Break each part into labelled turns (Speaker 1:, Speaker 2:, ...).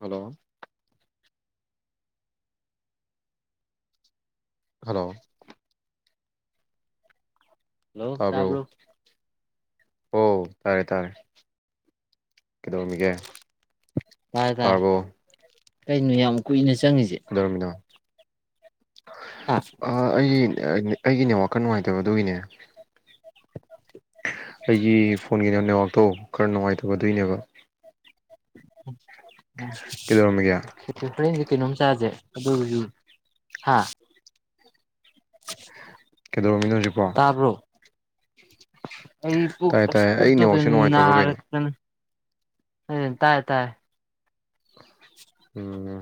Speaker 1: Hello. Hello.
Speaker 2: Hello ꯇꯥꯕ꯭ꯔꯣ꯫
Speaker 1: ꯍꫭ ꯇꯥꯔꯦ ꯇꯥꯔꯦ ꯀꯩꯗꯧꯔꯝꯏꯒꯦ꯫
Speaker 2: ꯇꯥꯏ ꯇꯥꯏ꯫ ꯀꯩꯅꯣ ꯌꯥꯝ ꯀꯨꯏꯅ ꯆꯪꯉꯤꯁꯦ
Speaker 1: ꯀꯩꯗꯧꯔꯝꯏꯅꫭ꯫
Speaker 2: ꯍꯥ
Speaker 1: ꯑ ꯑꯩ ꯑ ꯑꯩꯒꯤꯅꯦ ꯋꯥꯈꯟ ꯅꯨꯡꯉꯥꯏꯇꯕ ꯑꯗꯨꯒꯤꯅꯦ ꯑꯩꯒꯤ ꯐꯣꯟꯒꯤ ꯅ ꯅꯦꯋꯥꯛꯇꫭ ꯈꯔ ꯅꯨꯡꯉꯥꯏꯇꯕ ꯗꯨꯒꯤꯅꯦꯕ꯫ ꯀꯩꯗꯧꯔꯝꯃꯤꯒꯦ
Speaker 2: [unintelligible] [unintelligible] ꯀꯩꯅꯣꯝꯆꯥꯁꯦ ꯑꯗꯨꯒꯁꯨꯝ ꯍꯥ
Speaker 1: ꯀꯩꯗꯧꯔꯝꯃꯤꯅꯣ ꯍꯧꯖꯤꯛꯄꫭ꯫
Speaker 2: ꯇꯥꯕ꯭ꯔꯣ ꯑꯩ ꯄꯨꯛ
Speaker 1: ꯇꯥꯏꯌꯦ ꯑꯩ
Speaker 2: ꯄꯨꯛꯗꯨ ꯀꯩꯟ
Speaker 1: ꯅꯦꯠꯋꯥꯛꯁꯦ ꯅꯨꯡꯉꯥꯏꯇ꯭ꯔꯕ
Speaker 2: ꯅꯥꯔ
Speaker 1: ꯀꯩꯅꯣ
Speaker 2: ꯎꯝ ꯇꯥꯏ ꯇꯥꯏ
Speaker 1: ꯎꯝ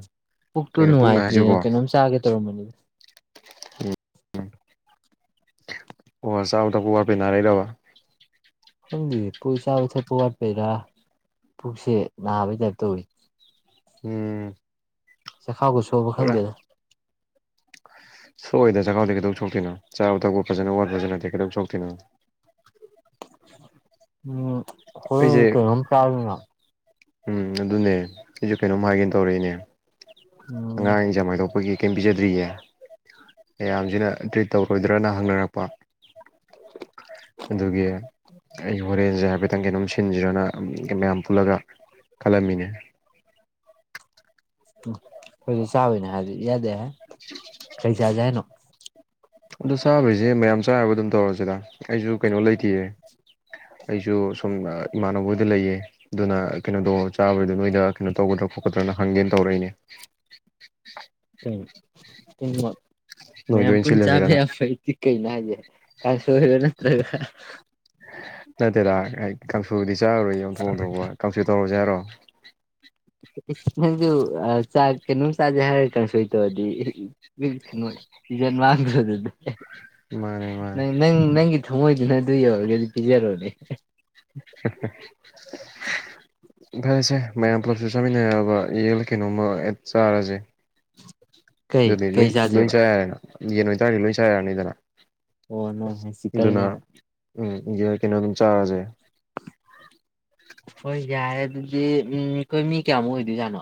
Speaker 2: ꯄꯨꯛꯇꯨ
Speaker 1: ꯀꯩꯅꯣ
Speaker 2: ꯅꯨꯡꯉꯥꯏꯇꯦꯅ ꯀꯩꯅꯣꯝ ꯆꯥꯒꯦ ꯇꯔꯝꯕꯅꯤ [unintelligible]
Speaker 1: ꯎꯝ ꯑꯣ ꯆꯥꯕ ꯊꯛꯄꯥ ꯋꯥꯠꯄꯩ ꯅꯥꯔꯛꯏꯔꯕ
Speaker 2: ꯈꯪꯗꯤꯌꯦ ꯀꯩ ꯆꯥꯕ ꯊꯛꯄ ꯋꯥꯠꯄꯩꯔ ꯄꯨꯛꯁꯦ ꯅꯥꯕꯩ ꯇꯥꯏꯞ ꯇꯧꯋꯤ
Speaker 1: ꯎꯝ
Speaker 2: ꯆꯈꯥꯎꯒ ꯁꯣꯛꯑꯕꯥ ꯈꯪꯗꯦꯗ
Speaker 1: ꯁꯣꯛ ꯑꯣꯏꯗ ꯆꯈꯥꯎꯗꯤ ꯀꯩꯗꯧ ꯁꯣꯛꯇꯣꯏꯅꯣ ꯆꯥꯕ ꯊꯛꯄ ꯐꯖꯅ ꯋꯥꯠꯄꯁꯨ ꯅꯠꯇꯦ ꯀꯩꯗꯧ ꯁꯣꯛ ꯀꯩꯅꯣ
Speaker 2: ꯎꯝ ꯍꯣꯔꯦꯟ
Speaker 1: ꯑꯩꯁꯦ
Speaker 2: ꯀꯩꯅꯣꯝ ꯆꯥꯖꯤꯅꯥ
Speaker 1: ꯎꯝ ꯑꯗꯨꯅꯦ ꯑꯩꯁꯨ ꯀꯩꯅꯣꯝ ꯍꯥꯏꯒꯦꯅ ꯇꯧꯔꯛꯏꯅꯦ
Speaker 2: ꯎꯝ
Speaker 1: ꯑꯉꯥꯡ ꯏꯖꯝ ꯍꯥꯏꯗꯣꯛꯄꯒꯤ ꯀꯩꯝ ꯄꯤꯖꯗ꯭ꯔꯤꯌꯦ ꯃꯌꯥꯝꯁꯤꯅ ꯇ꯭ꯔꯤꯠ ꯇꯧꯔꯣꯏꯗ꯭ꯔꯅ ꯍꯪꯅꯔꯛꯄ
Speaker 2: [inaudible]
Speaker 1: ꯑꯗꯨꯒꯤ ꯑꯩ ꯍꯣꯔꯦꯟꯖꯦ ꯍꯥꯏꯐꯦꯠꯇꯪ ꯀꯩꯅꯝ ꯁꯤꯟꯖꯤꯔꯅ ꯃꯌꯥꯝ ꯄꯨꯜꯂꯒ ꯈꯜꯂꯝꯃꯤꯅꯦ
Speaker 2: ꯈꯣꯏ ꯆꯕꯩꯅꯦ ꯍꯥꯏꯔꯗꯤ ꯏꯌꯥꯗꯥ ꯌꯥꯏ ꯀꯩ ꯆꯥꯖꯦ ꯍꯥꯏꯅꯣ
Speaker 1: ꯑꯗꯣ ꯆꯥꯕꯩꯖꯦ ꯃꯌꯥꯝ ꯆꯥ ꯌꯥꯕꯥ ꯑꯗꯨꯝ ꯇꯧꯔꯁꯦ ꯗ ꯑꯩꯁꯨ ꯀꯩꯅꯣ ꯂꯩꯇꯤꯌꯦ ꯑꯩꯁꯨ ꯁꯨꯝ ꯏꯃꯥꯟꯅꯕꯣꯏꯗ ꯂꯩꯌꯦ ꯑꯗꯨꯅ ꯀꯩꯅꯣꯗꯧ ꯆꯥꯕꯩꯗꯣ ꯅꯣꯏꯗ ꯀꯩꯅꯣ ꯇꯧꯒꯗ꯭ꯔꯥ ꯈꯣꯠꯀꯗ꯭ꯔꯅ ꯍꯪꯒꯦꯅ ꯇꯧꯔꯛꯏꯅꯦ
Speaker 2: ꯎꯝ
Speaker 1: ꯅꯣꯏꯗ
Speaker 2: ꯃꯌꯥꯝ
Speaker 1: ꯑꯣꯏꯅ
Speaker 2: ꯄꯨꯟꯆꯥꯕ
Speaker 1: ꯁꯤꯜꯂꯁꯤꯔꯅ
Speaker 2: ꯌꯥꯕ ꯍꯥꯏꯗꯤ ꯀꯩꯩꯅꯣ ꯍꯥꯏꯖꯦ ꯀꯥꯡꯁꯣꯏꯔꯣ ꯅꯠꯇ꯭ꯔꯒ
Speaker 1: ꯅꯠ ꯇꯦꯗꯥ ꯑꯏ ꯀꯥꯡꯁꯣꯏꯕꯨꯗꯤ ꯆꯥꯔꯣꯏꯌꯦ ꯑꯣꯟꯊꯣꯛ ꯑꯣꯟꯊꯣꯛꯄ ꯀꯥꯡꯁꯣꯏ ꯇꯧꯔꯁꯤ ꯍꯥꯏꯔꯣ [inaudible]
Speaker 2: ꯅꯪꯁꯨ ꯆꯥ ꯀꯩꯅꯣꯝ ꯆꯥꯥꯖꯦ ꯍꯥꯏꯔ ꯀꯥꯡꯁꯣꯏ ꯇꯧꯔꯗꯤ ꯏꯖꯠ ꯃꯥꯪꯗꯔꯣ ꯑꯗꯨꯗꯤ
Speaker 1: ꯃꯥꯅꯦ ꯃꯥꯅꯦ
Speaker 2: ꯅꯪ ꯅꯪ ꯅꯪꯒꯤ ꯊꯃꯣꯏꯗꯨꯅ ꯑꯗꯨ ꯌꯧꯔꯒꯗꯤ ꯄꯤꯖꯔꯣꯅꯦ
Speaker 1: ꯐꯔꯦꯁꯦ ꯃꯌꯥꯝ ꯄꯨꯂꯞꯁꯨ ꯆꯥꯃꯤꯟꯅ ꯌꯥꯕ ꯌꯦꯟꯂꯥ ꯀꯩꯅꯣꯝꯃ ꯍꯦꯛ ꯆꯥꯔꯁꯦ
Speaker 2: [inaudible] ꯀꯩ ꯀꯩ
Speaker 1: ꯂꯣꯏ
Speaker 2: ꯆꯥꯖꯦꯕ
Speaker 1: ꯆ ꯌꯥꯔꯦꯅ ꯌꯦꯟ ꯑꯣꯏꯇꯥꯔꯗꯤ ꯂꯣꯏ ꯆꯌꯔꯥꯅꯤꯗꯅ
Speaker 2: ꯑꯣ [unintelligible]
Speaker 1: ꯎꯝ ꯌꯥꯏ ꯀꯩꯅꯣ ꯑꯗꯨꯝ ꯆꯥꯔꯁꯦ
Speaker 2: ꯍꯣꯏ ꯌꯥꯏꯌꯦ ꯑꯗꯨꯗꯤ ꯑꯩꯈꯣꯏ ꯃꯤ ꯀꯌꯥꯃꯨꯛ ꯑꯣꯏꯗꯣꯏꯖꯥꯠꯅꯣ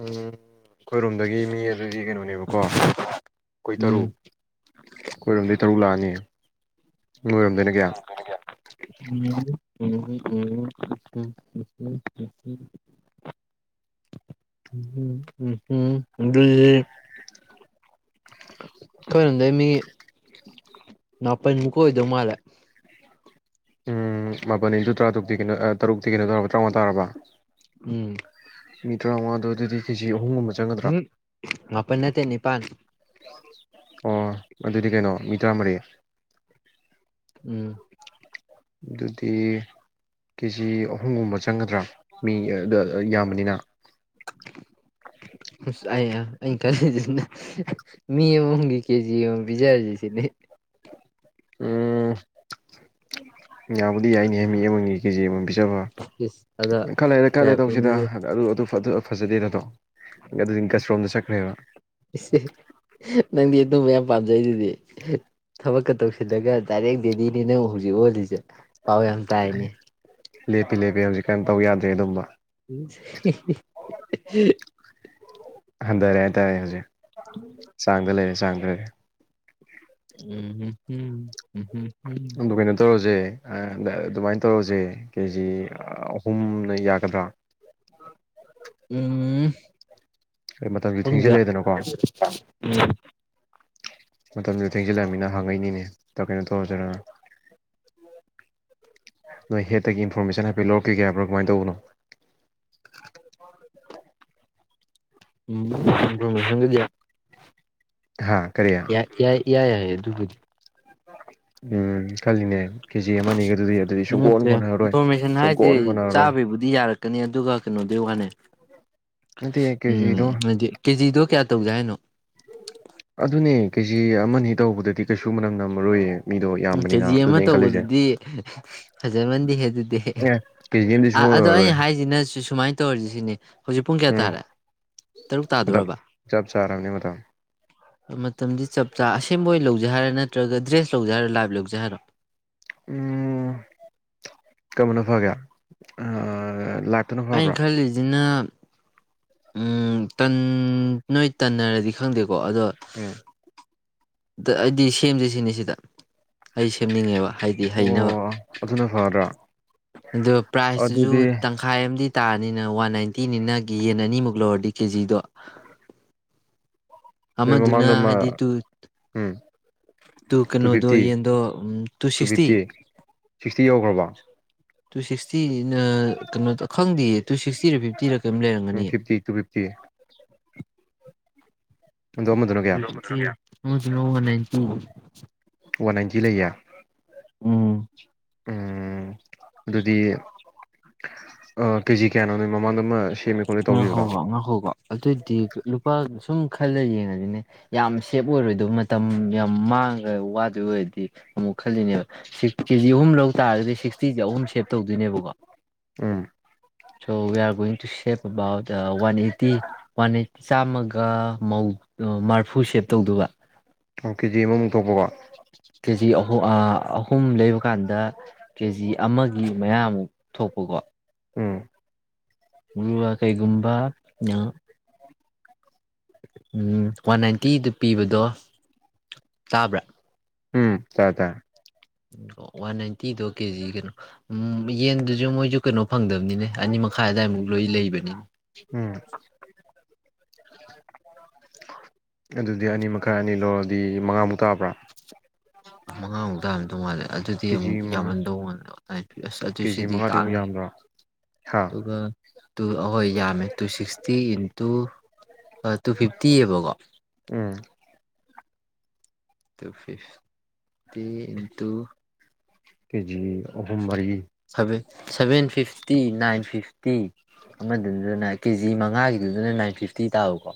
Speaker 1: ꯎꯝ ꯑꯈꯣꯏꯔꯣꯝꯗꯒꯤ ꯃꯤ ꯑꯗꯨꯗꯤ ꯀꯩꯅꯣꯅꯦꯕꯀꯣ ꯑꯈꯣꯏ ꯇꯔꯨꯛ
Speaker 2: ꯎꯝ
Speaker 1: ꯑꯈꯣꯏꯔꯣꯝꯗꯒꯤ ꯇꯔꯨꯛ ꯂꯥꯛꯑꯅꯤ ꯅꯣꯏꯔꯣꯝꯗꯩꯅ ꯀꯌꯥ
Speaker 2: [unintelligible] [unintelligible] ꯈꯣꯏꯔꯣꯝꯗꯩ ꯃꯤ ꯃꯥꯄꯜꯃꯨꯛ ꯑꯣꯏꯗꯧ ꯃꯥꯜꯂꯦ
Speaker 1: ꯎꯝ [unintelligible] ꯇꯔꯥ ꯇꯨꯛ [unintelligible] ꯀꯩꯅꯣ ꯇꯔꯨꯛꯇꯤ ꯀꯩꯅꯣ ꯇꯔꯥꯎꯉꯥ ꯇꯥꯔꯕ
Speaker 2: ꯎꯝ
Speaker 1: ꯃꯤ ꯇꯔꯥꯎꯉꯥ [unintelligible] [unintelligible]
Speaker 2: ꯎꯝ ꯃꯥꯄꯟ ꯅꯠꯇꯦ ꯅꯤꯄꯥꯟꯅꯤ
Speaker 1: ꯑꯣ ꯑꯗꯨꯗꯤ ꯀꯩꯅꯣ ꯃꯤ ꯇꯔꯥꯃꯔꯤ
Speaker 2: ꯎꯝ
Speaker 1: ꯑꯗꯨꯗꯤ ꯀꯦꯖꯤ ꯑꯍꯨꯝꯒꯨꯝꯕ ꯆꯪꯒꯗ꯭ꯔꯥ ꯃꯤ ꯌꯥꯝꯕꯅꯤꯅ
Speaker 2: ꯑꯁ ꯑꯩ ꯑꯩꯅ ꯈꯜꯂꯤꯁꯤꯅ [unintelligible]
Speaker 1: ꯎꯝ ꯌꯥꯕꯨꯗꯤ ꯌꯥꯏꯅꯦ ꯃꯤ ꯑꯃꯒꯤ ꯀꯦꯖꯤ ꯑꯃꯃꯝ ꯄꯤꯖꯕ
Speaker 2: ꯏꯁ ꯑꯗꯣ
Speaker 1: ꯈꯔ ꯂꯩꯔ ꯈꯔ ꯂꯩꯔ ꯇꯧꯁꯤꯗ
Speaker 2: ꯌꯥꯔꯛꯀꯅꯤꯍꯦ
Speaker 1: ꯑꯗꯨ ꯐꯖꯗꯦꯗ [unintelligible]
Speaker 2: ꯅꯪꯗꯤ ꯑꯗꯨ ꯃꯌꯥꯝ ꯄꯥꯝꯖꯩꯗꯨꯗꯤ ꯊꯕꯛꯀ ꯇꯧꯁꯤꯜꯂꯒ ꯗꯥꯏꯔꯦꯛ ꯗꯦꯗꯤꯅꯦ ꯅꯪ ꯍꯧꯖꯤꯛ ꯑꯣꯜꯂꯤꯁꯦ ꯄꯥꯎ ꯌꯥꯝ ꯇꯥꯏꯅꯦ
Speaker 1: ꯂꯦꯄꯤ ꯂꯦꯄꯤ ꯍꯧꯖꯤꯀꯥꯟ ꯇꯧ ꯌꯥꯗ꯭ꯔꯦ ꯑꯗꯨꯝꯕ
Speaker 2: [unintelligible]
Speaker 1: ꯍꯟꯗꯔꯦ ꯍꯥꯏꯇꯥꯔꯦ ꯍꯨꯖꯤꯛ ꯆꯥꯡꯗ ꯂꯩꯔꯦ ꯆꯥꯡꯗ ꯂꯩꯔꯦ
Speaker 2: ꯎꯝ ꯎꯝ ꯎꯝ
Speaker 1: ꯑꯗꯨ ꯀꯩꯅꯣ ꯇꯧꯔꯁꯦ ꯑꯗ ꯑꯗꯨꯃꯥꯏꯅ ꯇꯧꯔꯁꯦ ꯀꯦꯖꯤ ꯑꯍꯨꯝꯅ ꯌꯥꯒꯗ꯭ꯔꯥ
Speaker 2: ꯎꯝ
Speaker 1: ꯃꯇꯝꯁꯨ ꯊꯦꯡꯖꯤꯜꯂꯛꯑꯦꯗꯅꯀꯣ
Speaker 2: [unintelligible]
Speaker 1: ꯃꯇꯝꯖꯨ ꯊꯦꯡꯖꯤꯜꯂꯃꯤꯅ ꯍꯪꯉꯛꯏꯅꯤꯅꯦ ꯀꯩꯅꯣ ꯇꯧꯔꯁꯤꯔ ꯅꯣꯏ ꯍꯦꯠꯇꯒꯤ ꯏꯟꯐꯣꯔꯃꯦꯁꯟ ꯍꯥꯏꯐꯦꯠ ꯂꯧꯔꯛꯈꯤꯒꯦ ꯍꯥꯏꯕ꯭ꯔꯥ ꯀꯃꯥꯏꯅ ꯇꯧꯕꯅꯣ
Speaker 2: [unintelligible]
Speaker 1: ꯍꯥꯥ ꯀꯔꯤ
Speaker 2: ꯏꯌꯥ ꯌꯥꯏ ꯑꯗꯨꯕꯨꯗꯤ
Speaker 1: ꯎꯝ ꯈꯜꯂꯤꯅꯦ ꯀꯦꯖꯤ ꯑꯃꯅꯤꯒꯗꯨꯗꯤ ꯑꯗꯨꯗꯤ ꯁꯨꯡꯀꯣꯟ
Speaker 2: ꯅꯠꯇꯦ
Speaker 1: ꯀꯣꯟꯅꯔꯔꯣꯏ
Speaker 2: ꯏꯟꯐ‌ꯣꯔꯃꯦꯁꯟ ꯍꯥꯏꯁꯦ
Speaker 1: ꯁꯨꯡꯀꯣꯟ ꯀꯣꯟꯅꯔꯔꯣꯏ
Speaker 2: ꯆꯥꯕꯩꯕꯨꯗꯤ ꯌꯥꯔꯛꯀꯅꯤ ꯑꯗꯨꯒ ꯀꯩꯅꯣꯗꯨꯢ ꯋꯥꯅꯤ
Speaker 1: ꯅꯠꯇꯦ
Speaker 2: ꯎꯝ
Speaker 1: ꯀꯦꯖꯤꯗꯣ
Speaker 2: ꯍꯥꯏꯗꯤ ꯀꯦꯖꯤꯗꯣ ꯀꯌꯥ ꯇꯧꯁꯦ ꯍꯥꯏꯅꯣ
Speaker 1: ꯑꯗꯨꯅꯦ ꯀꯦꯖꯤ ꯑꯃꯅꯤ ꯇꯧꯕꯗꯗꯤ ꯀꯩꯁꯨ ꯃꯅꯝ ꯅꯝꯃꯔꯣꯏꯌꯦ ꯃꯤꯗꯣ
Speaker 2: ꯎꯝ
Speaker 1: ꯌꯥꯝꯕꯅꯤꯅ
Speaker 2: ꯀꯦꯖꯤ ꯑꯃ
Speaker 1: ꯑꯗꯨꯅꯦ ꯑꯩꯅ ꯈꯜꯂꯤꯁꯦ
Speaker 2: ꯇꯧꯕꯗꯨꯗꯤ ꯐꯖꯃꯟꯗꯦ ꯑꯗꯨꯗꯤ
Speaker 1: ꯑꯦ ꯀꯦꯖꯤ ꯑꯃꯗꯤ ꯁꯨꯡꯑꯣꯏ
Speaker 2: ꯑꯗꯣ
Speaker 1: ꯑꯣꯏꯔꯔꯣꯏ
Speaker 2: ꯑꯩꯅ ꯍꯥꯏꯁꯤꯅ ꯁꯨ ꯁꯨꯃꯥꯏꯅ ꯇꯧꯔꯤꯁꯤ ꯁꯤꯅꯤ ꯍꯧꯖꯤꯛ ꯄꯨꯡ ꯀꯌꯥ
Speaker 1: ꯎꯝ
Speaker 2: ꯇꯥꯔꯦ ꯇꯔꯨꯛ
Speaker 1: ꯃꯇꯝ
Speaker 2: ꯇꯥꯗ‌ꯣꯔꯕ
Speaker 1: ꯆꯞ ꯆꯥꯔꯕꯅꯤ ꯃꯇꯝ
Speaker 2: ꯃꯇꯝꯗꯤ ꯆꯞ ꯆꯥ ꯑꯁꯦꯡꯕ ꯑꯣꯏꯅ ꯂꯧꯖꯩ ꯍꯥꯏꯔꯦ ꯅꯠꯇ꯭ꯔꯒ ꯗ꯭ꯔꯦꯁ ꯂꯧꯖꯩ ꯍꯥꯏꯔ ꯂꯥꯏꯚ ꯂꯧꯖꯦ ꯍꯥꯏꯔꯣ
Speaker 1: ꯎ ꯀꯝꯕꯅ ꯐꯒꯦ ꯂꯥꯏꯞꯇꯨꯅ ꯐꯕ꯭ꯔꯥ
Speaker 2: ꯑꯩꯅ ꯈꯜꯂꯤꯁꯤꯅ ꯎꯝ ꯇꯟ ꯅꯣꯏ ꯇꯟꯅꯔꯗꯤ ꯈꯪꯗꯦ ꯀꯣ ꯑꯗꯣ
Speaker 1: ꯎꯝ
Speaker 2: ꯑ ꯑꯩꯗꯤ ꯁꯦꯝꯗꯦ ꯁꯤꯅꯤ ꯁꯤꯗ ꯑꯩ ꯁꯦꯝꯅꯤꯡꯉꯦꯕ ꯍꯥꯏꯗꯤ ꯍꯩꯅꯕ
Speaker 1: ꯑꯣ ꯑꯗꯨꯅ ꯐꯗ꯭ꯔꯥ
Speaker 2: ꯑꯗ ꯄ꯭ꯔꯥꯏꯖꯇꯨꯁꯨ
Speaker 1: ꯑꯗꯨꯗꯤ
Speaker 2: ꯇꯪꯈꯥꯏ ꯑ ꯇꯥꯔꯅꯤꯅ ꯋꯥꯟ ꯅꯥꯏꯟꯇꯤꯅꯤꯅꯒꯤ ꯌꯦꯟ ꯑꯅꯤꯃꯨꯛ ꯂꯧꯔꯗꯤ ꯀꯦꯖꯤꯗꯣ
Speaker 1: ꯅꯣꯏ
Speaker 2: ꯑꯃꯗꯨꯅ
Speaker 1: ꯃꯃꯥꯡꯗ ꯑꯃ
Speaker 2: ꯇꯨ
Speaker 1: ꯎꯝ
Speaker 2: ꯇꯨ ꯀꯩꯅꯣꯗꯣ ꯌꯦꯟꯗꯣ ꯇꯨ ꯁꯤꯁꯇꯤ
Speaker 1: ꯁꯤꯛꯁꯇꯤ ꯌꯧꯈ꯭ꯔꯕꯣ
Speaker 2: ꯇꯨ ꯁꯤꯁꯇꯤ ꯤ ꯀꯩꯅꯣꯗꯈꯪꯗꯦ ꯇꯨ ꯁꯤꯛꯁꯇꯤꯗ ꯐꯤꯐꯇꯤꯗ ꯀꯔꯤꯝ
Speaker 1: ꯎꯝ
Speaker 2: ꯂꯩꯔꯝꯒꯅꯤ
Speaker 1: ꯐꯤꯐꯇꯤ ꯇꯨ ꯐꯤꯐꯇꯤ ꯑꯗꯣ ꯑꯃꯗꯨꯅ ꯀꯌꯥ
Speaker 2: ꯍꯂ ꯍ [unintelligible] ꯎꯝ
Speaker 1: ꯋꯥꯟ ꯅꯥꯅꯇꯤ ꯂꯩꯌꯪ
Speaker 2: ꯎꯝ
Speaker 1: ꯑꯗꯨꯗꯤ ꯑ ꯀꯦꯖꯤ ꯀꯌꯥꯅꯣ ꯅꯣꯏ ꯃꯃꯥꯡꯗ ꯑꯃ ꯁꯦꯝꯃꯦ ꯈꯣꯠꯂꯦ
Speaker 2: ꯉꯥꯛ
Speaker 1: ꯇꯧꯈꯤꯕꯗꯣ
Speaker 2: ꯍꯧꯕ ꯉꯥꯛꯍꯧꯕ ꯑꯗꯨꯑꯣꯏꯗꯤ ꯂꯨꯄꯥ ꯁꯨꯝ ꯈꯜꯂ ꯌꯦꯡꯉꯁꯤꯅꯦ ꯌꯥꯝ ꯁꯦꯞ ꯑꯣꯏꯔꯣꯏꯗꯕ ꯃꯇꯝ ꯌꯥꯝ ꯃꯥꯡꯒ ꯋꯥꯗꯣꯏ ꯑꯣꯏꯔꯗꯤ ꯑꯃꯨꯛ ꯈꯜꯂꯤꯅꯦꯕ ꯁꯤꯛꯁ ꯀꯦꯖꯤ ꯑꯍꯨꯝ ꯂꯧꯧꯕ ꯇꯥꯔꯒꯗꯤ ꯁꯤꯛꯁꯇꯤꯁꯦ ꯑꯍꯨꯝ ꯁꯦꯞ ꯇꯧꯗꯣꯏꯅꯦꯕꯀꯣ
Speaker 1: um
Speaker 2: A are going to shape about one eight [unintelligible] T ꯄꯅ ꯆꯥꯝꯃꯒ ꯃꯧ ꯃꯥꯐꯨ ꯁꯦꯞ ꯇꯧꯗꯕ
Speaker 1: ꯑꯣ ꯀꯦꯒꯤ ꯑꯃꯃꯨꯛ ꯑꯇꯣꯄ ꯋꯥ
Speaker 2: ꯀꯦꯖꯤ ꯑꯍꯨꯝ ꯑꯥ ꯑꯍꯨꯝ ꯂꯩꯕ ꯀꯥꯟꯗ ꯀꯦꯖꯤ ꯑꯃꯒꯤ ꯃꯌꯥꯃꯨꯛ ꯊꯣꯛꯄꯀꯣ
Speaker 1: ꯎꯝ
Speaker 2: ꯑꯗꯨꯒ ꯀꯩꯒꯨꯝꯕ ꯑꯥ ꯎꯝ ꯋꯥꯟ ꯅꯥꯏꯟꯇꯤꯗ ꯄꯤꯕꯗꯣ ꯇꯥꯕ꯭ꯔꯥ
Speaker 1: ꯇꯥꯏ ꯇꯥꯏ
Speaker 2: ꯎ ꯋꯥꯟ ꯅꯥꯏꯟꯇꯤꯗꯣ ꯀꯦꯖꯤ ꯀꯩꯅꯣ ꯎꯝ ꯌꯦꯟꯗꯨꯁꯨ ꯃꯣꯏꯁꯨ ꯀꯩꯅꯣ ꯐꯪꯗꯕꯅꯤꯅꯦ ꯑꯅꯤ ꯃꯈꯥꯏ ꯑꯋꯥꯏꯃꯨꯛ ꯂꯣꯏ ꯂꯩꯕꯅꯤꯅꯦ
Speaker 1: ꯎꯝ ꯑꯗꯨꯗꯤ ꯑꯅꯤ ꯃꯈꯥꯏ ꯑꯅꯤ ꯂꯧꯔꯗꯤ ꯃꯉꯥꯃꯨꯛ ꯇꯥꯕ꯭ꯔꯥ
Speaker 2: ꯃꯉꯥꯃꯨꯛꯇꯔꯝꯗꯧ ꯃꯥꯜꯂꯦ ꯑꯗꯨꯗꯤ ꯑꯃꯨꯛ
Speaker 1: ꯀꯦꯖꯤ ꯃꯉꯥ
Speaker 2: ꯌꯥꯝꯃꯟꯗꯧ ꯃꯥꯟꯕ ꯑꯥꯏ ꯄꯤ ꯑꯁ ꯑꯗꯨ
Speaker 1: ꯀꯦꯖꯤ
Speaker 2: ꯁꯤꯗꯤ
Speaker 1: ꯃꯉꯥꯗꯤ ꯑꯃꯨꯛ
Speaker 2: ꯇꯥꯡꯉꯤꯍꯦ
Speaker 1: ꯌꯥꯝꯗ꯭ꯔꯣ ꯍꯥ
Speaker 2: ꯑꯗꯨꯒ ꯇꯨ ꯑꯍꯣꯏ ꯌꯥꯝꯃꯦ ꯇꯨ ꯁꯤꯛꯁꯇꯤ ꯏꯟꯇꯨ ꯇꯨ ꯐꯤꯐꯇꯤꯑꯕꯀꯣ
Speaker 1: ꯎꯝ
Speaker 2: ꯎ ꯇꯨ ꯐꯤꯐꯇꯤ ꯏꯟ ꯇꯨ
Speaker 1: ꯀꯦꯖꯤꯒ ꯑꯍꯨꯝ ꯃꯔꯤ
Speaker 2: seven seven fifty nine fifty ꯑꯃꯗꯨꯗꯅ ꯀꯦꯖꯤ ꯃꯉꯥꯒꯤꯗꯨꯗꯅ ꯅꯥꯏꯟ ꯐꯤꯐꯇꯤ ꯇꯥꯕꯀꯣ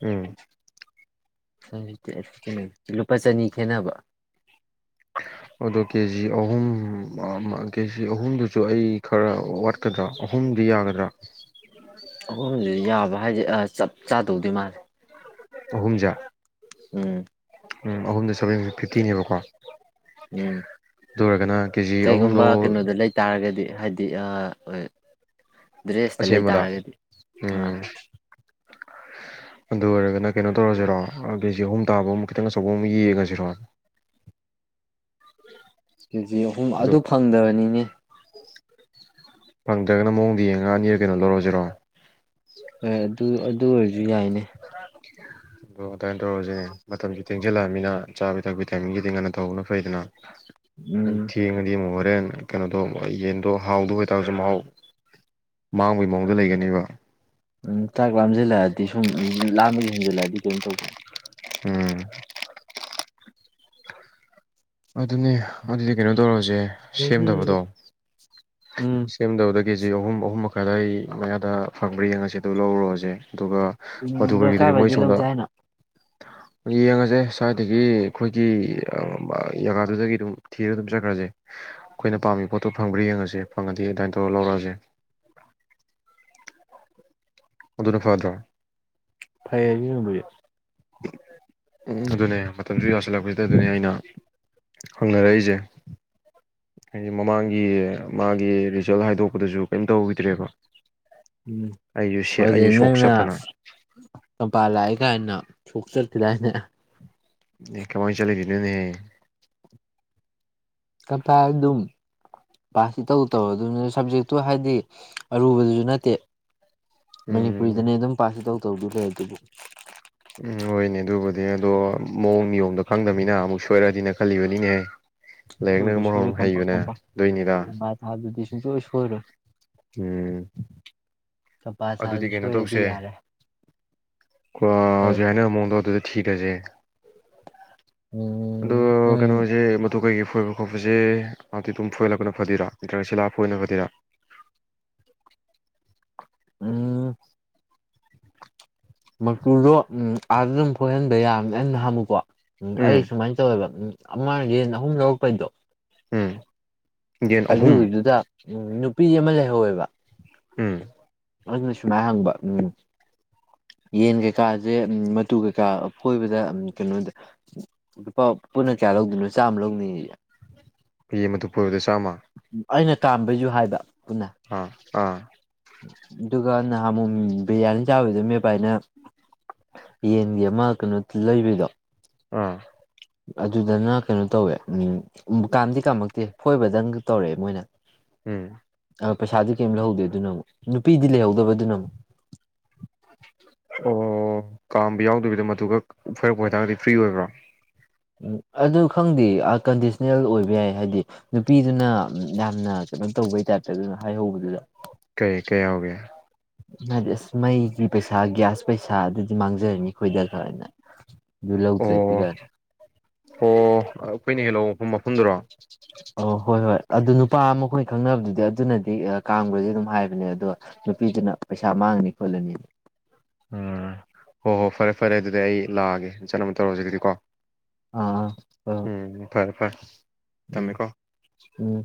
Speaker 1: ꯎꯝ
Speaker 2: ꯁꯕꯦꯟꯇꯤ ꯑꯥꯏꯇꯤ ꯅꯁꯦꯟꯇꯤ ꯂꯨꯄꯥ ꯆꯅꯤ ꯈꯦꯠꯅꯕ
Speaker 1: ꯑꯗꯣ ꯀꯦꯖꯤ ꯑꯍꯨꯝ ꯑꯥ ꯃꯥ ꯀꯦꯖꯤ ꯑꯍꯨꯝꯗꯨꯁꯨ ꯑꯩ ꯈꯔ ꯋꯥꯠ ꯅꯠꯇꯔꯥꯒ ꯑꯍꯨꯝꯗꯤ ꯌꯥꯒꯗ꯭ꯔꯥ
Speaker 2: ꯑꯍꯨꯝꯗꯤ ꯌꯥꯕ ꯍꯥꯏꯁꯦ ꯆꯞ ꯆꯥꯗꯧꯗꯤ ꯃꯥꯜꯂꯦ
Speaker 1: ꯑꯍꯨꯝꯖꯦ
Speaker 2: ꯎꯝ
Speaker 1: ꯎ ꯑꯍꯨꯝꯗ ꯁꯕꯦꯟ ꯐꯤꯐꯇꯤꯅꯦꯕꯀꯣ
Speaker 2: ꯎꯝ
Speaker 1: ꯑꯗꯨ ꯑꯣꯏꯔꯒꯅ ꯀꯦꯖꯤ
Speaker 2: ꯀꯩꯒꯨꯝꯕ
Speaker 1: ꯑꯍꯨꯝꯗꯣ
Speaker 2: ꯀꯩꯅꯣꯗ ꯂꯩꯇꯥꯔꯒꯗꯤ ꯍꯥꯏꯗꯤ ꯑ ꯑꯣꯏ ꯗ꯭ꯔꯦꯁꯇ
Speaker 1: ꯑꯁꯦꯝꯕꯗ
Speaker 2: ꯂꯩꯇꯥꯥꯔꯒꯗꯤ ꯑꯥ
Speaker 1: ꯎꯝ ꯑꯗꯨ ꯑꯣꯏꯔꯒꯅ ꯀꯩꯅꯣ ꯇꯧꯔꯖꯤꯔꯣ ꯑꯥ ꯀꯦꯖꯤ ꯑꯍꯨꯝ ꯇꯥꯕ ꯑꯃ ꯈꯤꯇꯪ ꯑꯆꯧꯕ ꯑꯃ ꯌꯦꯡꯉꯖꯤꯔꯣ
Speaker 2: ꯀꯦꯖꯤ ꯑꯍꯨꯝ ꯑꯗꯨ ꯐꯪꯗꯕꯅꯤꯅꯦ
Speaker 1: ꯐꯪꯗ꯭ꯔꯒꯅ ꯃꯑꯣꯡꯗ ꯌꯦꯡꯉ ꯑꯅꯤꯔ ꯀꯩꯅꯣ ꯂꯧꯔꯖꯤꯔꯣ
Speaker 2: ꯋꯥꯌꯔꯗꯨ ꯑꯗꯨ ꯑꯣꯏꯔꯖꯨ ꯌꯥꯏꯅꯦ ꯑ
Speaker 1: ꯑꯣ ꯑꯗꯥꯏ ꯇꯧꯔꯖꯤꯅꯦ ꯃꯇꯝꯖꯨ ꯊꯦꯡꯖꯤꯜꯂꯛꯑꯃꯤꯅ ꯆꯥꯕꯤ ꯊꯛꯄꯤ ꯇꯥꯏꯃꯤꯡꯖꯤꯗꯤ ꯉꯟꯅ ꯇꯧꯍꯧꯕꯅ ꯐꯩꯗꯅ
Speaker 2: ꯎꯝ
Speaker 1: ꯊꯦꯡꯉꯗꯤ ꯑꯃꯨꯛ ꯍꯣꯔꯦꯟ ꯀꯩꯅꯣꯗꯣ ꯌꯦꯟꯗꯣ ꯍꯥꯎꯗ ꯑꯣꯏꯇꯥꯔꯁꯨ ꯃꯍꯥꯎ ꯃꯥꯡꯕꯒꯤ ꯃꯑꯣꯡꯗ ꯂꯩꯒꯅꯦꯕ
Speaker 2: ꯎꯝ ꯆꯥꯛ ꯂꯥꯝꯁꯤꯜꯂꯛꯑꯗꯤ ꯁꯨꯝ ꯂꯥꯝꯕꯒꯤ ꯍꯦꯟꯖꯜꯂꯛꯑꯗꯤ ꯀꯩꯅꯣ ꯇꯧꯕꯅꯤ
Speaker 1: ꯎꯝ ꯑꯗꯨꯅꯦ ꯑꯗꯨꯗꯤ ꯀꯩꯅꯣ ꯇꯧꯔꯁꯦ
Speaker 2: ꯑꯗꯒꯤ
Speaker 1: ꯁꯦꯝꯗꯕꯗꯣ
Speaker 2: ꯎꯝ
Speaker 1: ꯁꯦꯝꯗꯕꯗ ꯀꯦꯖꯤ ꯑꯍꯨꯝ ꯑꯍꯨꯝ ꯃꯈꯥꯏ ꯑꯗꯥꯏ ꯃꯌꯥꯗ ꯐꯪꯕ꯭ꯔꯥ ꯌꯦꯡꯉꯁꯤ ꯑꯗꯨ ꯂꯧꯔꯨꯔꯥꯁꯦ ꯑꯗꯨꯒ ꯃꯗꯨ
Speaker 2: ꯗꯔꯀꯥꯔ
Speaker 1: [unintelligible] ꯃꯣꯏ
Speaker 2: ꯑꯣꯏꯗꯤ
Speaker 1: ꯁꯣꯝꯗ
Speaker 2: ꯂꯧꯖꯦ ꯍꯥꯏꯅ
Speaker 1: ꯌꯦꯡꯉꯁꯦ ꯁ꯭ꯋꯥꯏꯗꯒꯤ ꯑꯈꯣꯏꯒꯤ ꯖꯒꯥꯗꯨꯗꯒꯤ ꯑꯗꯨꯝ ꯊꯤꯔꯒ ꯑꯗꯨꯝ ꯆꯠꯈ꯭ꯔꯁꯦ ꯑꯩꯈꯣꯏꯅ ꯄꯥꯝꯃꯤ ꯄꯣꯠꯇꯣ ꯐꯪꯕ꯭ꯔꯥ ꯌꯦꯡꯉꯁꯦ ꯐꯪꯉꯗꯤ ꯑꯗꯨꯃꯥꯏꯅ ꯇꯧꯔ ꯂꯧꯔꯛꯑꯁꯦ ꯑꯗꯨꯅ ꯐꯗꯔꯣ
Speaker 2: [unintelligible]
Speaker 1: [unintelligible] ꯎꯝ ꯑꯗꯨꯅꯦ ꯃꯇꯝꯁꯨꯨ ꯌꯥꯁꯤꯜꯂꯛꯄꯁꯤꯗ ꯑꯗꯨꯅꯤ ꯑꯩꯅ ꯍꯪꯅꯔꯛꯏꯁꯦ ꯍꯥꯏꯗꯤ ꯃꯃꯥꯡꯒꯤ ꯃꯥꯒꯤ ꯔꯤꯖꯜꯠ ꯍꯥꯏꯗꯣꯛꯄꯗꯁꯨ ꯀꯔꯤꯝ ꯇꯧꯈꯤꯗ꯭ꯔꯦꯕꯣ
Speaker 2: ꯎꯝ ꯑꯗꯨꯗꯩ ꯅꯪꯅ
Speaker 1: ꯆꯠꯇꯅ
Speaker 2: ꯀꯝꯄꯥ ꯂꯥꯛꯏ ꯀꯥꯏꯅ ꯁꯣꯛ ꯆꯠꯈꯤꯗꯥꯏꯅꯦ
Speaker 1: ꯀꯃꯥꯏ ꯆꯠꯂꯣꯏꯗꯣꯏꯅꯣꯅꯦ
Speaker 2: ꯀꯝꯄꯥ ꯑꯗꯨꯝ ꯄꯥꯁꯇꯤ ꯏꯇꯧ ꯇꯧ ꯔꯗꯨꯕꯨ ꯁꯕꯖꯦꯛꯇꯣ ꯍꯥꯏꯕꯗꯤ ꯑꯔꯨꯕꯗꯁꯨ ꯅꯠꯇꯦ
Speaker 1: ꯎꯝ
Speaker 2: ꯃꯅꯤꯄꯨꯔꯤꯗꯅꯦ ꯑꯗꯨꯝ ꯄꯥꯁ ꯏꯇꯧ ꯇꯧꯗꯣ ꯂꯩꯔꯗꯨꯕꯨ
Speaker 1: ꯎꯝ ꯍꯣꯏꯅꯦ ꯑꯗꯨꯕꯨꯗꯤ ꯑꯗꯣ ꯃꯑꯣꯡ ꯅꯤꯌꯣꯝꯗ ꯈꯪꯗꯃꯤꯅ ꯑꯃꯨꯛ ꯁꯣꯏꯔꯛꯑꯗꯤꯅ ꯈꯜꯂꯤꯕꯅꯤꯅꯦꯍ ꯂꯥꯏꯔꯤꯛꯅꯒ
Speaker 2: ꯁꯣꯏꯗ ꯁꯣꯏꯔꯦ
Speaker 1: ꯃꯔꯣꯟꯃꯥ
Speaker 2: ꯀꯝꯄꯥ
Speaker 1: ꯍꯩꯕꯅꯦ
Speaker 2: ꯀꯝꯄꯥ
Speaker 1: ꯑꯗꯨꯏꯅꯤꯗ
Speaker 2: ꯀꯝꯄꯥ ꯊꯥꯕꯗꯨꯗꯤ ꯁꯨꯡꯁꯣꯏ ꯁꯣꯏꯔꯣꯏ꯫
Speaker 1: ꯎꯝ
Speaker 2: ꯀꯝꯄꯥ ꯊꯥꯕꯗꯨ
Speaker 1: ꯑꯗꯨꯗꯤ ꯀꯩꯅꯣ
Speaker 2: ꯁꯣꯏꯔꯗꯤ
Speaker 1: ꯇꯧꯁꯦ
Speaker 2: ꯌꯥꯔꯦ
Speaker 1: [unintelligible]
Speaker 2: ꯀꯩ
Speaker 1: ꯍꯧꯖꯤꯛ ꯍꯥꯏꯅꯔꯝꯕ ꯃꯑꯣꯡ ꯗꯣ [unintelligible] ꯑꯗꯨ
Speaker 2: ꯎꯝ ꯎꯝ
Speaker 1: ꯀꯩꯅꯣꯖꯦ ꯃꯇꯨ ꯀꯩ ꯐꯣꯏꯕ ꯈꯣꯠꯄꯁꯦ [unintelligible] ꯑꯗꯨꯨꯝ ꯐꯣꯏꯍꯜꯂꯛꯄꯅ ꯐꯗꯣꯏꯔꯥ ꯅꯠꯇ꯭ꯔꯒ ꯁꯤꯂꯥꯛ ꯑꯒ ꯐꯣꯏꯕꯅ ꯐꯗꯣꯏꯔ
Speaker 2: ꯎꯝ ꯃꯇꯨꯗꯣ ꯎꯝ ꯑꯥꯗ ꯑꯗꯨꯝ ꯐꯣꯏꯍꯟꯕ ꯌꯥꯕꯅꯤ [unintelligible] ꯎꯝ ꯑꯩ ꯁꯨꯃꯥꯏꯅ ꯇꯧꯋꯦꯕ ꯎꯝ ꯑꯃ ꯌꯦꯟ ꯑꯍꯨꯝ ꯂꯧꯔꯛꯄꯩꯗꯣ
Speaker 1: ꯎꯝ ꯌꯦꯟ ꯑꯍꯨꯝ
Speaker 2: ꯑꯗꯨꯒꯤꯗꯨꯗ ꯅꯨꯄꯤ ꯑꯃ ꯂꯩꯍꯧꯋꯦꯕ
Speaker 1: ꯎꯝ
Speaker 2: ꯑꯗꯨꯅ ꯁꯨꯃꯥꯏ ꯍꯪꯕ ꯎꯝ ꯌꯦꯟ ꯀꯩꯀꯥꯁꯦ ꯃꯇꯨ ꯀꯩꯀꯥ ꯐꯣꯏꯕꯗ ꯀꯩꯅꯣꯗ ꯂꯨꯄꯥ ꯄꯨꯟꯅ ꯀꯌꯥ ꯂꯧꯗꯣꯏꯅꯣ ꯆꯥꯝꯃ ꯂꯧꯅꯤꯌꯦ
Speaker 1: [unintelligible] ꯃꯇꯨ ꯐꯣꯏꯕꯗ ꯆꯥꯝꯃ
Speaker 2: ꯑꯩꯅ ꯇꯥꯥꯟꯕꯩꯖꯨ ꯍꯥꯏꯕ ꯄꯨꯟꯅ
Speaker 1: ꯑꯥ ꯑꯥ
Speaker 2: ꯑꯗꯨꯒ ꯅꯍꯥꯃꯣꯝ ꯕꯤꯔꯌꯥꯅꯤ ꯆꯥꯕꯤꯗꯣ ꯅꯣꯏ ꯏꯕꯥꯥꯏꯅ ꯌꯦꯟꯒꯤ ꯑꯃ ꯀꯩꯅꯣ ꯂꯩꯕꯤꯗꯣ
Speaker 1: ꯑꯥ
Speaker 2: ꯑꯗꯨꯗꯅ ꯀꯩꯅꯣ ꯇꯧꯋꯦ ꯎꯝ ꯀꯥꯝꯗꯤ ꯀꯥꯝꯃꯛꯇꯦ ꯐꯣꯏꯕꯗꯪ ꯇꯧꯔꯛꯑꯦ ꯃꯣꯏꯅ
Speaker 1: ꯎꯝ
Speaker 2: ꯑ ꯄꯩꯁꯥꯗꯤ ꯀꯩꯝ ꯂꯧꯍꯧꯗꯦ ꯑꯗꯨꯅ ꯑꯃꯨꯛ ꯅꯨꯄꯤꯗꯤ ꯂꯩꯍꯧꯗꯕꯗꯨꯅ ꯑꯃꯨꯛ
Speaker 1: ꯑꯣ ꯀꯥꯝꯕ ꯌꯥꯎꯗꯕꯤꯗ ꯃꯇꯈꯛ ꯐꯣꯏꯔꯛꯄ ꯑꯣꯏꯇꯥꯔꯒꯗꯤ ꯐ꯭ꯔꯤ ꯑꯣꯏꯕ꯭ꯔꯥ
Speaker 2: ꯎꯝ ꯑꯗꯨ ꯈꯪꯗꯦ ꯑꯀꯟꯗꯤꯁꯅꯦꯜ ꯑꯣꯏꯕ ꯌꯥꯏ ꯍꯥꯏꯗꯤ ꯅꯨꯄꯤꯗꯨꯅ ꯌꯥꯝꯅ ꯀꯩꯅꯣ ꯇꯧꯕꯩ ꯇꯥꯏꯞꯇ ꯑꯗꯨꯅ ꯍꯥꯏꯍꯧꯕꯗꯨꯗ
Speaker 1: ꯀꯩ ꯀꯩ ꯌꯥꯎꯒꯦ
Speaker 2: ꯍꯥꯏꯗꯤ ꯑꯁ ꯃꯩꯒꯤ ꯄꯩꯁꯥ ꯒ꯭ꯌꯥꯁ ꯄꯩꯁꯥ ꯑꯗꯨꯗꯤ ꯃꯥꯡꯖꯔꯅꯤ ꯑꯩꯈꯣꯏꯗ ꯈꯔꯅ ꯑꯗꯨ
Speaker 1: ꯑꯣ
Speaker 2: ꯂꯧꯗ꯭ꯔꯗꯤ ꯀꯥꯏ
Speaker 1: ꯑꯣ ꯑꯩꯈꯣꯏꯅ ꯍꯦꯛ ꯂꯧ ꯃꯐꯝꯗꯨꯔꯣ
Speaker 2: ꯑꯣ ꯍꯣꯏ ꯍꯣꯏ ꯑꯗꯨ ꯅꯨꯄꯥ ꯑꯈꯣꯏ ꯈꯪꯅꯕꯗꯨꯗ ꯑꯗꯨꯅꯗꯤ ꯀꯥꯝꯒꯔꯗꯤ ꯑꯗꯨꯝ ꯍꯥꯏꯕꯅꯦ ꯑꯗꯣ ꯅꯨꯄꯤꯗꯨꯅ ꯄꯩꯁꯥ ꯃꯥꯡꯉꯅꯤ ꯈꯣꯠꯂꯅꯤ
Speaker 1: ꯎꯝ ꯍꯣ ꯍꯣꯏ ꯐꯔꯦ ꯐꯔꯦ ꯑꯗꯨꯗꯤ ꯑꯩ ꯂꯥꯛꯑꯒꯦ ꯆꯠꯅꯕ ꯇꯧꯔꯁꯤ ꯗꯨꯗꯤ ꯀꯣ
Speaker 2: ꯑꯥ ꯑꯥ ꯍꯣꯏ ꯍꯣꯏ
Speaker 1: ꯎꯝ ꯐꯔꯦ ꯐꯔꯦ
Speaker 2: ꯎꯝ
Speaker 1: ꯊꯝꯃꯦ ꯀꯣ
Speaker 2: ꯎꯝ